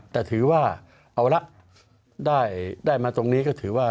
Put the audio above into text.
แต่ถือว่าเอาละได้มาตรงนี้ก็ถือว่า